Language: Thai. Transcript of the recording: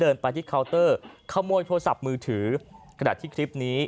เดินไปที่เคาน์เตอร์ขโมยโทรศัพท์มือถือกระดาษที่คลิปนี้